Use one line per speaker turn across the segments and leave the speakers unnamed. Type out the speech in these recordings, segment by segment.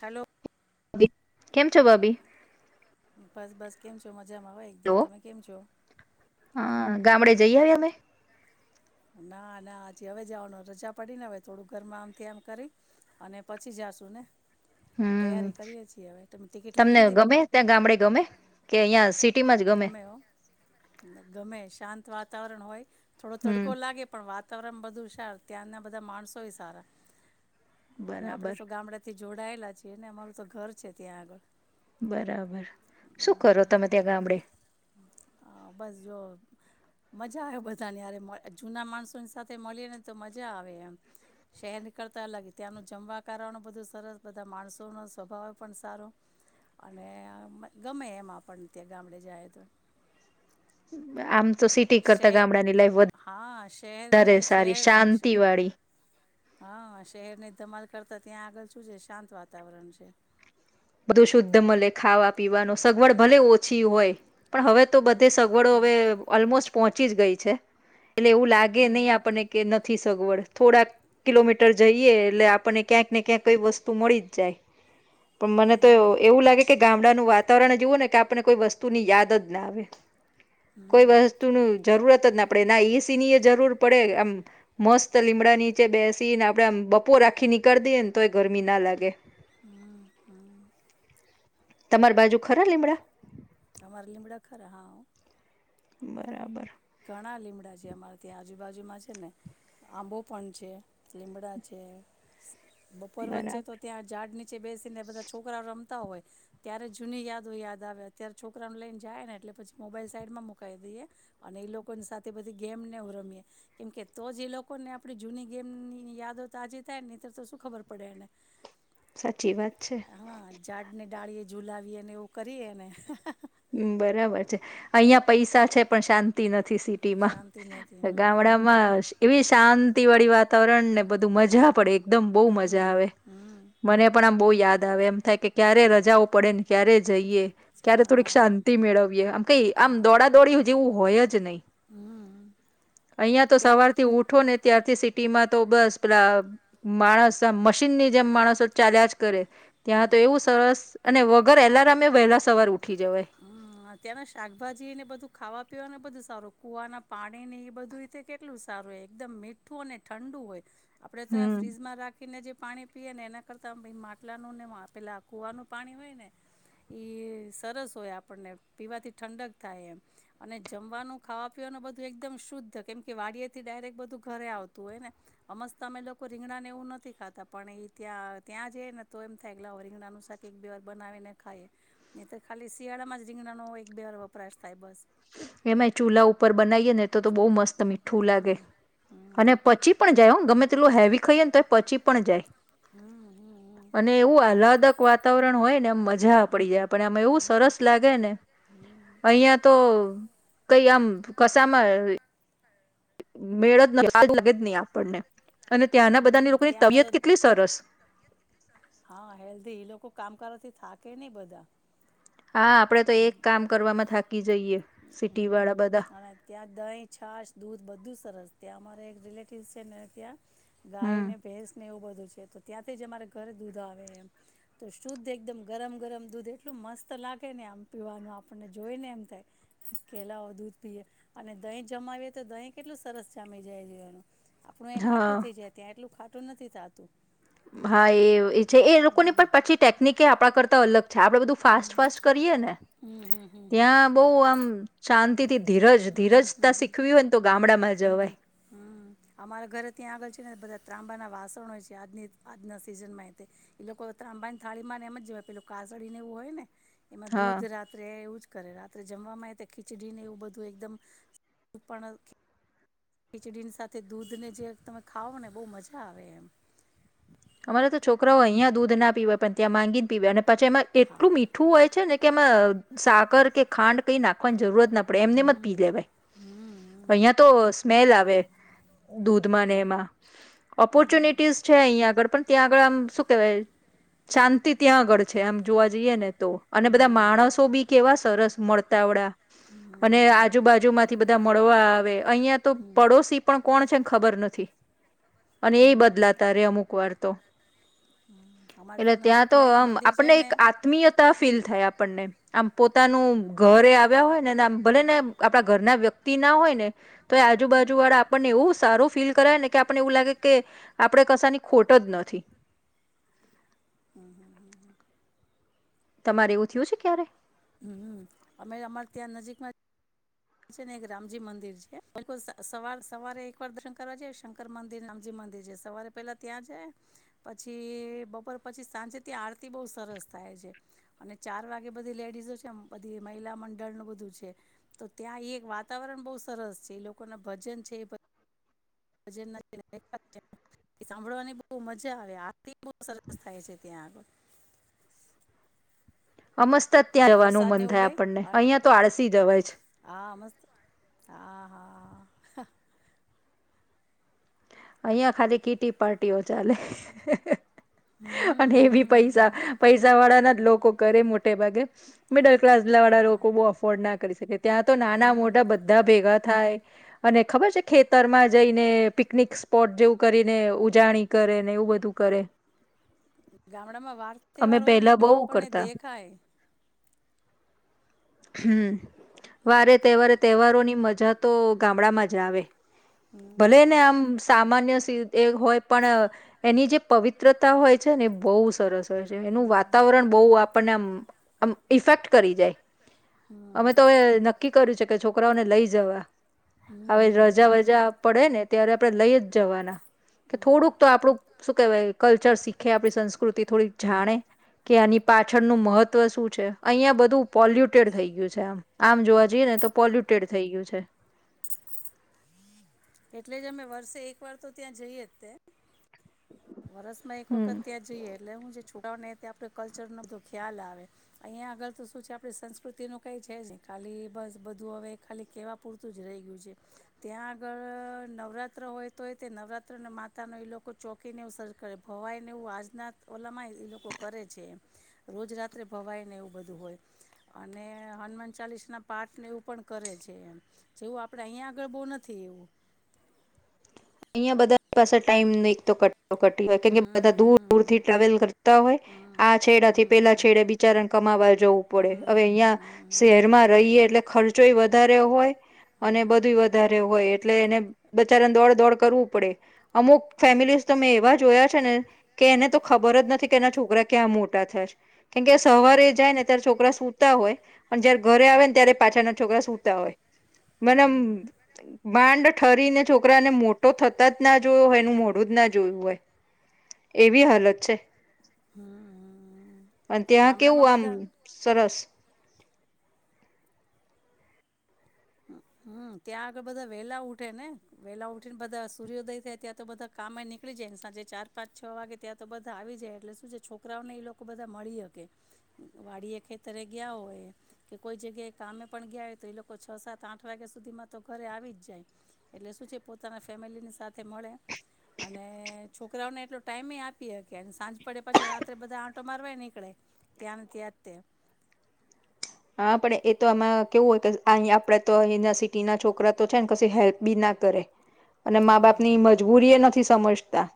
Hello.
ભભી કેમ છો ભાભી.
બસ બસ કેમ છો. મજમા એકદમ
હેલો
તમે કેમ છો.
હા ગામડે જઈ આવ્યા અમે.
ના ના હજી હવે જવાનું રજા પડીને હવે થોડું ઘર માં આમથી આમ કરી અને પછી જાશુ ને.
હમ્મ
તૈયારી કરીએ છીએ હવે તમે ટિકિટ લઈ
તમને
લીધી
ગમે ત્યાં ગામડે ગમે કે અહિયાં સીટી.
ગમે હો ગમે શાંત. વાતાવરણ હોય. થોડો
હમ
તડકો લાગે પણ વાત તરમ બધું સાર ત્યાંના બધા માણસોય સારા અને આપડે
બરાબર
તો ગામડા થી જોડાયેલા છીએ ને અમારું તો ઘર છે ત્યાં આગળ
બરાબર શું કરો તમે ત્યાં ગામડે
હ બસ જો મજા આવે બધાનેરે જૂના માણસોની સાથે મળીએ ને તો મજા આવે એમ શહેર નીકળતા અલગ ત્યાંનું જમવા કારનું બધું સરસ બધા માણસોનો સ્વભાવ પણ સારો અને ગમે એમ આપણ ત્યાં ગામડે જાય તો
આમ તો સિટી કરતા
શહેર
ગામડાની લાઈફ
હા
વધારે
શહેરની
સારી
શહેર
શાંતિ વાળી
હા શહેરની ધમાલ કરતા ત્યાં આગળ શું છે શાંત વાતાવરણ છે
બધું શુદ્ધ મળે ખાવા પીવાનું સગવડ ભલે ઓછી હોય પણ હવે તો બ તે સગવડો હવે ઓલમોસ્ટ પહોંચી જ ગઈ છે એટલે એવું લાગે
હમ
નહી આપને કે નથી સગવડ થોડા કિલોમીટર જઈએ એટલે આપણને ક્યાંક ને ક્યાંક કઈ વસ્તુ મળી જ જાય પણ મને તો એવું લાગે કે ગામડાનું વાતાવરણ જેવું ને કે આપને કોઈ વસ્તુ ની યાદ જ ના આવે કોઈ
હમ
વસ્તુ ન જરૂરત જ ના આપડણે ના એઈ સીની એ જરૂર પડે આમ મસ્ત લીમડા નીચે બે સી ને આપડે આમ બપોર રાખી નીકળીઈએ ને તોય ગરમી ના લાગે
હા હા
તમાર બાજુ ખરા લીમડા
અમારે લીમડા ખરા હા
બરાબર
ઘણા લીમડાં છે અમારા ત્યાં આજુબાજુમાં છે ને આંબો પણ છે લીમડા છે બપોર વચ્ચે
બરાબર
તો ત્યાં ઝાડ ની બેસીને બધા છોકરાઓ રમ હોય ત્યારે જૂની યાદો યાદ આવે અત્યારે છોકરાને લઈને જાય ને એટલે પછી મોબાઈલ સાઈડમાં મુકાઈ દઈએ અને એ લોકોની સાથે બધી ગેમનેવું રમીએ કેમકે તો જ એ લોકોને આપણી જૂની ગેમ યાદો તો આજે થાય નહી તોર તો શું ખબર પડે એને
સાચી વાત છે
[unintelligible] ઝાડને ડાળીએ ઝુલાવી ને એવું કરીએ
બરાબર છે અહિયાં પૈસા છે પણ શાંત નથી સિટીમાં
શાંતિ નથી હમ
ગામડામાં એવી શાંત વાળી વાતાવરણ ને બધું મજા પડે એકદમ બહુ
હમ
મજા
હમ
આવે
હમ
મને
હમ
પણ આમ બહુ યાદ આવે એમ થાય કે ક્યારે રજાઓ પડે ને ક્યારે જઈએ
જા
ક્યારે થોડીક
આ
શાંતિ મેળવીય આમ કઈ આમ
આ
દોડા દોડી જેવું હોય જ નહી
હં
અહીં તો
ત્યાં
સવારથી ઉઠો ને ત્યારથી સી સીટી માં તો બસ પેલા માણસ મશીનની જેમ માણસ ચાલ્યા જ કરે ત્યાં તો એવું સરસ. અને વગર એલાર્મે એ વહેલા સવાર ઉઠ
હમ ત્યાંના શાકભાજીને બધું ખાવા અને બધું સારું કુવાના પાણી ની એ બધું રીતે કેટલું સારું એકદમ મીઠું અને ઠંડુ હોય. આપણેે તોં
હમ
ફ્રીજમાં રાખીને જે પાણી પીએ ને એના કરતાં આમડા માટલાનું ને પેલાં કૂવાનું પાણી હોય ને એ સરસ. ય આપણને પીવાથી ઠંડક થાય એમ અને જમવાનું ખાવા પીવાનું બધું એકદમ શુદ્ધ કેમ કે વાડીયે થી ડાયરેક્ટ બધું ઘરે આવતું હોય ને અમસ્ત અમે લોકો રીંગણાને એવું નથી ખાતા પણ એ ત્યાં ત્યાં જઈ ને તો એમ થાય રીંગણાનું શાક એક બે વાર બનાવીને ખાઈએ તો ખાલી. શિયાળામાં રીંગણાનો એક બે વપરાશ થાય બસ
એમાં ચૂલા ઉપર બનાવીયે ને તો તો બહુ
ચૂલા
મસ્ત મીઠું લાગે
હમ હમ
અને પછી પણ જાય ગમે તેલું હેવી ખાઈએ ને તો. પછી પણ જાય.
હમ હમ
અને એવું અલદ. વાતાવરણ હોય. મ મજા પડી જાય પણ આ એવું સરસ લાગે ને
હમ
અહિયાં. તો કઈ આમ કસામાં. મેળત ન લાગે જ નહી આપણને. અને ત્યાંના
હમ
બધાની લોકોની
ત્યાંના તો
તબિયત કેટલી સરસ
કામ કરવાોથી થાકે નહ બધા
હા આપડે તો એક કામ કરવામાં થાકી જઈએ સિટી વાળા
હમ
બધા
અને ત્યાં દહીં છાસ દૂધ બધું સરસ ત્યાં અમારે એક રિલેટિવ છેને ત્યાં ગાય
હમ
ને ભેસ ને એવું બ ધું છે તો ત્યાંથી જ અમારે ઘરે દૂધ આવે એમ. તો શુદ્ધ એકદમ ગરમ ગરમ દૂધ એટલું મસ્ત લાગે ને આમ પીવાનું આપણને જોઈ ને એમ થાય કે લાઓ દૂધ પીએ અને દહી જમાવીએ તો દહીં કેટલું સરસ જામી જાય છે એને આપણું એ
હા
ખાટું જે ત્યાં એટલું ખાટું નથી થાતું.
હા એ એ છે એલોકોની પણ પછી ટેકનિક એ આપડા કરતા અલગ છા આપડે બધું ફાસ્ટ
હમ
ફાસ્ટ કરીએ ને
હમ હમ હમ હમ હમ હમ
ત્યાં બહુ આમ શાંતિ તી
હમ્મ, હમ્મ, હમ્મ,
ગામડામાં
હમ્મ. હમ્મ,
જવાય
હમ્મ, હમ્મ. અમારા ઘરે ત્યાં આગળ છે ને બધા ત્રાંબાનાં વાસણ હોય છે આજની આજના સિઝનમાં એ લોકો ત્રાંબાની થાળીમાં ને એમ જવાય પેલું કાસળને એવું હોય ને એમાં
હા
દૂધ રાત્રે એવું જ કરે રાત્રે જમવા ય ખીચડી ને એવું બ ધું એકદમ પણ ખીચડી સાથે દૂધ ને જે તમે ખાવ ને બહુ મજા આવે એમ.
અમારા તો છોકરાઓ અહીંયા દૂધ ના પીવાય પણ ત્યાં માંગીને પીવે એને પછી એમાં
હા
એટલું મીઠું હોય છે ને કેમ અહ સાકર કે ખાંડ કઈ નાખવાની જરૂરત ન પડે એમને જ પી લેવાય અહિયાં તો સ્મેલ આવે દૂધમાં એમાં ઓપોર્ચ્યુનિટીસ છે અંયા આગળ પણ ત્યાં આગળ આમ શું કહેવાય શાંતિ ત્યાં આગળ છે આમ જોવા જઈએ ને. તો અને બધા માણસો બી કેવા સ સરસ મરતાવડા. અને આજુબાજુમાંથી બધા આમ મળવા આવે. અહિયાં તો પડોશી પણ કોણ છે ખબર નથી. અને એ બદલાતા રે અમુક વાર. તો
અમારે
એટલે ત્યાં તો
નજીકમાં એક
આમ
મંદિર છે
આપણને
ને
એક આત્મીયતા ફીલ થાય આપણને આમ પોતાનું
હમ
ઘરે આવ્યા હોય ને આમ ભલે ને આપડા ઘરના વ્યક્ તી ના હોય ને તો એ
હમ
આજુબાજુ વાળા આપણને એવું સારું ફીલ કરાયે ને કે આપને એવું લાગે કે આપડે કશાની ખોટ ટજ નથી.
હમ્મ, હમ્મ, હમ્મ, હમ્મ.
તમારે એવું થયું છે ક્યારે?
હમ્મ, અમે અમારે ત્યાં નજીકમાં છે ને એક રામજી મંદિર છે બિલકુલ સવાર સવારે એકવાર દર્શન કરવા જ શંકર મંદિર રામજી મંદિર છે સવારે પેલા ત્યાં જાય પછી બપોર પછી સાંજે ત્યાં આરતી બહ સરસ થાય છે અને ચાર વાગે બધી લેડીઝો છે બધી મહિલા મંડળનું બધું છે તો ત્યાં એ એક વાતાવરણ બહુ સરસ છે એ લોકો ના ભજન છે ભજન [inaudible] સાંભળવાની બહ મજા આવે આરતી બહુ સરસ થાય છે ત્યાં આગળ.
અમસ્તા જ ત્યાં જવાનું
પ્રસાદને
મન
એવું
થાય
લઈ
આપણને
અને
અહિયાં તો આળસી જવાય છે.
હા મસ્ત હા, હા.
અહીંયા ખાલી કીટી પાર્ટીઓ ચાલે.
હમ
અને
હમ
એ બી પૈસા
હમ
પૈસા વાળા નથ લોકો કરે મોટે ભાગે મિડલ ક્લાસ વાળા
હા
લોકો બહુ અફોર્ડ ના કરી શકે ત્યાં તો નાના
હમ
મોટા બધા ભેગા થાય અને ખબર છે ખેતર માં જઈને પિકનિકસ સ્પોટ જેવું કરીને ઉજાણી કરે ને એવું બધું કરે.
ગામડામાં વાર
અમે
તહેવાર હોય ને
પેલા
એવો
બહુ
આપણને
કરતા
દેખાય.
હમ્મ. વારે તહેવારે તહેવારોની મજા તો ગામડામાં જ આવે.
હમ
ભલે ને આમ સામાન્ય સે એ હોય પણ અહ એની જે પવિત્રતા હોય છે ને એ બહુ સરસ કર જે એનું
હમ
વાતાવરણ બહ આપણને આમ આમ ઇફેક્ટ કરી જાય.
હમ
અમે તો
હમ
એ નક્કી કર્યું છે કે છોકરા ઓને લઈ જવા. હવે
હમ
રજા
હમ
વજા પડે ને ત્યારે તો લઈ જ જવાના કે
હમ
થોડુંક તો આપડું શું કેહેવાય કલ્ચર શીખે આપડી સંસ્કૃતિ થોડીક જાણે કે આની પાછળનું મહત્વ શું છે. અહીંયા બધું પોલ્યુટેડ થઈ ગયું છે આમ. આમ જોવા જઈએ ને તો પોલ્યુટેડ થઈ ગયું છે.
એટલે જ અમે વર્ષે એક વાર તો ત્યાં જઈએ જ તે. વરષમાં એક
હમ
વખત ત્યાં જઈએ એટલે હું જે છૂકરા ઓને તે આપડો કલ્ચરનો બધો ખ્યાલ આવે અહીંયા આગળ તો શું છે આપણી સંસ્કૃતિનું કાંઈ છે જહી ખાલી બસ બધું હવે ખાલી કહેવા પૂરતું જ રહી ગયું છે ત્યાં આગળ નવરાત્ર હોય તો એ તે નવરાત્રને માતા ન એ લોકો ચોકીને એવું સર્જ કરે ભવાય ને એવું આજના ઓલા માં એ લોકો કરે છે એમ રોજ રાત્રે ભવાય ને એવું બધું હોય અને હનુમાન ચાલીસ ના પાઠ ને એવું પણ કરે છે એમ જેવું આપડે અહીંયા આગળ બહુ. થવું.
અ બધા પાસે ટાઈમ ની તો ક ટી હોય કેમ કે
હમ
બધા દૂર દૂર થી
હમ
ટ્રાવેલ કરતા હોય
હમ
આ છેડાથી
હમ
પેલા
હમ
છેડે બિચારાને કમાવા જવું પડે
હમ
હવે અહિયાં
હમ
શહેરમાં રહીએ એટલે ખર્ચ જોઈ એ વધારે હોય. અને
હમ
બધું વધારે હોય. એટલે એને બચારાને દોડ દોડ. કરવું પડે અમુક ફેમિલીઝ તો મે એવા જોયા છેને કે એને તો ખબર જ નથી કે એના છોકરા ક્યાં મોટા થશે કેમકે
થયા.
સવારે જાય ને ત્યારે છોકરા સુતા હોય પણ જયારે ઘરે આવે ને ત્યારે પાછા ના છોકરા સુૂતા હોય મને અમ
હમ
માંડ ઠરી ને છોકરાને મો તો થતા જ ના જોયો હોયનું મોડું જ ના જોયું હોય એવી હાલત છે
હમ
અને ત્યાં
ગામડામાં
કેવું આમ
બધા
સરસ
હમ્મ ત્યાં આગળ બધા વેલા ઉઠે ને વેલા ઉઠી ને બધા સૂર્યોદય થાય ત્યાં તો બધા કામેં નીકળી જાય ને સાંજે ચાર પાંચ છ વાગે ત્યાં તો બધા આવી જાય એટલે શું છે છોકરાઓને એ લોકો બધા મળી શકે વાડી એ ખેતરે ગયા હોય કે કોઈ જગ્યાએ કામે પણ ગયા હોય તો એ લોકો છ સાત આઠ વાગ્યા સુધીમાં તો ઘરે આવી જ જાય એટલે શું છે પોતાના ફેમિલીની સાથે મળે અને છોકરાઓને એટલો ટાઈમે આપીએહકીયે કે સાંજ પડે પછી રાત્રે બધા આંટો મારવાય નીકળે ત્યાંને ત્યાંતે
હા પણ એ તો આમાં કેવું હોય કે અહી આપડે તો અહી સિટીના છોકરા તો છે ને કી હેલ્પ બી ના કરે અને મા બાપ ની મજબૂરી એ નથી સમજ તા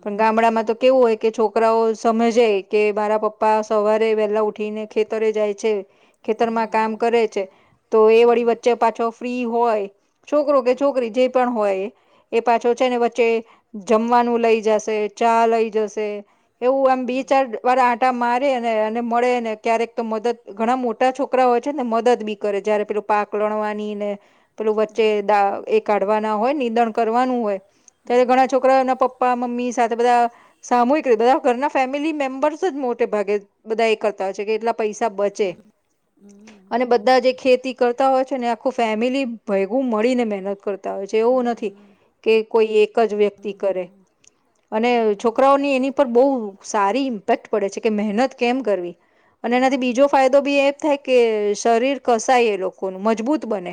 પણ ગામડા માં તો કેવું હોય કે છોકરાઓ સમજે કે મારા પપ્પા સવારે વહેલા ઉઠીને ખેતરે જાય છે ખેતરમાં કામ કરે છે તો એ વળી વચ્ચે પાછો ફ્રી હોય છોકરો કે
હોય
છોકરી જે પણ હોયએ એ પાછો છે ને વચ્ચે જમવાનું લઈ જશે ચા લઈ જશે એવું એમ બી ચાર વાર આંટા મારે અને મળે ને ક્યારેક તો મદદ ઘણા મોટા છોકરા હોય છે ને મદદ બી કરે જયારે પેલું પાક લણવાની ને પેલું બચે
હમ
દા એ કાઢવા હોય ને નિદન કરવાનું હોય ત્યારે ઘણા છોકરાઓ પપ્પા મમ્મી સાથે બધા સામૂહિક રીતે બધા ઘરના ફેમિલી મેમ્બર્સ જ મોટે ભાગે બધા એ છે કે એટલા પૈસા છે.
હમ હમ
અને બધા જે ખેતી કરતા હોય છે ને આખું ફેમિલી ભેગું મળીને મહેનત કર તા છે.
હમ અને જે
એવું નથી
ઓનર
કે કોઈ એક જ વ્યક્તિ કરે અને છોકરાઓની
ને
એની પર બહુ સારી તડ પડે છે કે મહેનત કેમ કરવી. અને એનાથી બીજો બી એ થાય કે શરીર કશ તા એ લોકો મજબૂત બને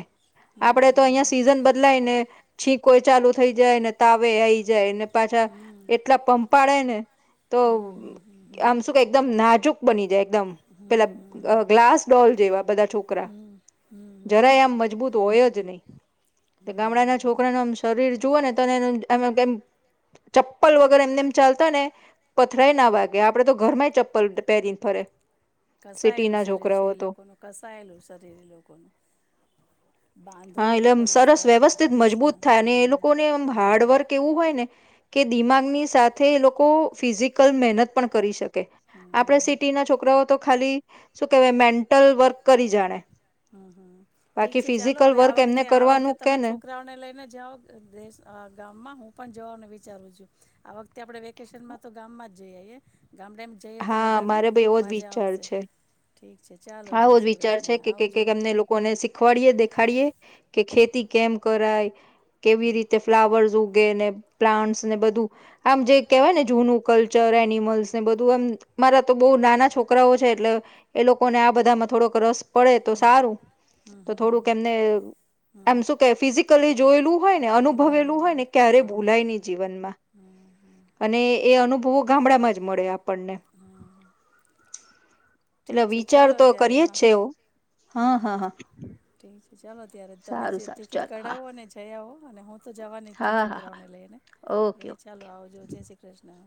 આપડે તો અહીં સીઝન બદલાય ને છી કોઈ ચાલુ થઈ જાય ને તાવે આ જાય પાછા એટલા પંપ પાડે ને. તો
ને
આમ શું કે એકદમ ના ચૂક બની જાય. એકદમ પેલા ગ્લાસ ડોલ જેવા બધા છોકરા
શરીર
જરાય આમ મજબૂત હોય જ નહી ગામડાના છોકરાને આમ શરીર જુઓ ને તો એ ચપ્પલ વગર એમને એમ ચાલતા ને થય ના વાગે આપડે તો ઘરમાંય ચપ્પલ પહેરીને ફરે. સિટી
કસાયેલું
ના
શરીર છે
છોકરાઓ
એ
તો
લોકોનું કસાયેલું શરીર એ લોકોનું બાંધો
હા
એ
એટલેમ
લોકોને
સરસ વ્યવસ્થિત
સરસ
મજબૂત થાય અને એ લોકોને એમ હાર્ડવર્ક એવું હોય ને કે દિમાગની સાથે એ લોકો ફિઝિકલ મહેનત પણ કરી શકે.
કરી શકે
આપણે સિટી ના છોકરાઓ તો ખાલી શું કેવાય મેન્ટલ વર્ક કરી જાણે.
હમ હમ ઠીક
બાકી
છે ચાલો.
ફિઝિકલ
આ
વર્ક એમને
વખતે આ વખતે
કરવાનું કે
તમે
ને
છોકરાઓને લઈને જાઓ ગામમાં હું પણ જવાનું વિચારું છું આ વખતે આપડે વેકેશન માં તો ગામમાં જ જઈએ. ગામડામાં જઈએ તો
હા
બધાને
મારે બી એવો જ
મજા
વિચાર
આવેશે.
છે
ઠીક છે ચાલો જય શ્રી કૃષ્ણ આવ
કેમને લોકોને શીખવાડી દેખાડી કે
હમ
ખેતી કેમ કરાય.
હમ
કેવી
હમ
રીતે ફ્લાવર્સ પ્લાન્ટ ને બધું આમ જે કેહેવાય ને જનું કલર ચર એનિમલ્સ ને બધું અમ મારા તો બો નાના છોકરાઓ છે એટલે એ લો કોને આ બધામાં થોડોક રસ પડે તો
હમ
સારું
હમ
તો
હમ હમ
થોડુંક એમને
હમ
એમ શું કે ફિઝિકલી જોયેલું હોય ને અનુભવેલું હોય ને ક્યારે
હા
ભૂલાય નહી જીવનમાં અને એ અનુભવો ગામડામાં જ મળે આપણને એટલે
ઠીક છે
વિચાર
ચાલો
તો
ત્યારે
કરીયે જ
હા
છે એવું હા હા હા.
ઠીક ચાલો ત્યારે તમે
સારું
જે
સારું
ટિકિટ
ચાલો હા
કઢાવો ને જયા આવો. અને હુ તો જવાની જ છું
હા હા હા
છોકરાઓને લઈ ને
ઓકે ઓકે
હે ચાલો આવજો જય શ્રી કૃષ્ણ